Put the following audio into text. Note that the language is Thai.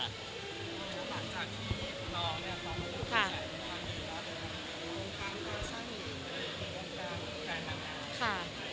หลังจากที่คุณตอบเนี่ยตอนนี้คุณแข่งใจเป็นความสุขแล้วนะครับ